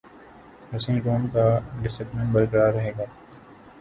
dressing room کا discipline برقرار رہے گا